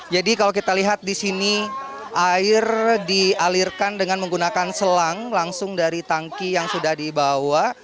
jadi kalau kita lihat disini air dialirkan dengan menggunakan selang langsung dari tanki yang sudah dibawa